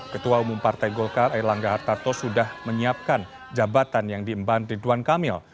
ketua umum partai golkar erlangga hartarto sudah menyiapkan jabatan yang diimban ridwan kamil